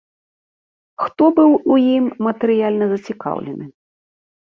Хто быў у ім матэрыяльна зацікаўлены?